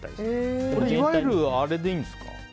いわゆるあれでいいんですか？